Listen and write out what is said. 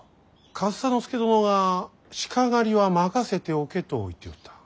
上総介殿は鹿狩りは任せておけと言っておった。